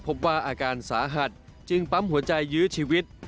พบว่าอาการสาหัสจึงปั๊มหัวใจยื้อชีวิต